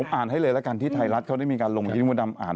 ผมอ่านให้เลยแล้วกันที่ไทยรัฐเขาได้มีการลง